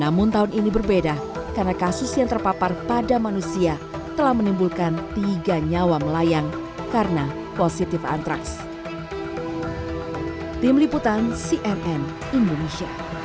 namun tahun ini berbeda karena kasus yang terpapar pada manusia telah menimbulkan tiga nyawa melayang karena positif antraks